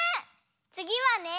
つぎはね。